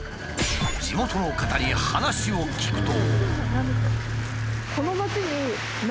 地元の方に話を聞くと。